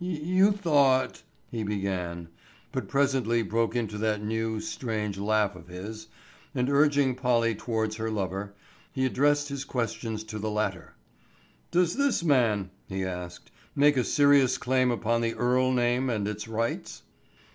"You thought—" he began, but presently broke into that new, strange laugh of his, and urging Polly towards her lover, he addressed his questions to the latter. "Does this man," he asked, "make a serious claim upon the Earle name and its rights?"